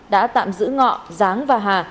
đã tạm giữ ngọ giáng và hà